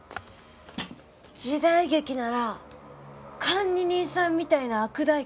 時代劇なら管理人さんみたいな悪代官